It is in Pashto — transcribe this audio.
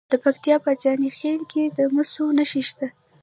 د پکتیا په جاني خیل کې د مسو نښې شته.